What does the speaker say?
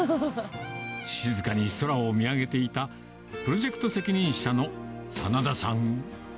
静かに空を見上げていた、プロジェクト責任者の眞田さん。